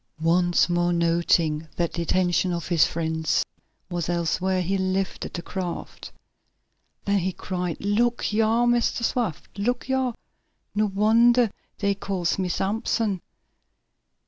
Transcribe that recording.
Once more, noting that the attention of his friends was elsewhere, he lifted the craft. Then he cried "Look yeah, Mistah Swift! Look yeah! No wonder day calls me Sampson.